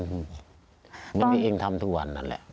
มันเป็นอย่างที่เองทำทุกวันนั่นแหละ